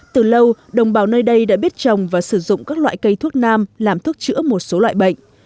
từ lâu đồng bào nơi đây đã biết trồng và sử dụng các loại cây thuốc nam làm thuốc chữa một số loại bệnh